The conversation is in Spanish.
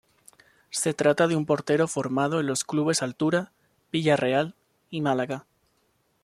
Se trata de un portero formado en los clubes Altura, Villarreal y Málaga.